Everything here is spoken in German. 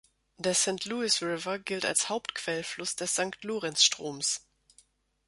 Der Saint Louis River gilt als Hauptquellfluss des Sankt-Lorenz-Stroms.